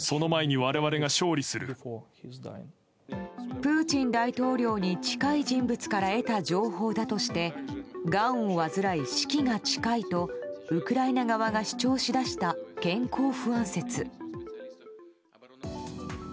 プーチン大統領に近い人物から得た情報だとしてがんを患い、死期が近いとウクライナ側が主張しだした健康不安説。